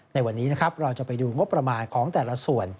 ในวันนี้นะครับเราจะไปดูงบประมาณของแต่ละส่วน